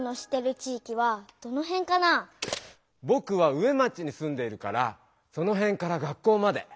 ぼくは上町にすんでいるからそのへんから学校まで。